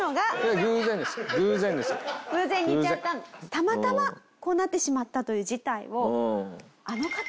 たまたまこうなってしまったという事態を。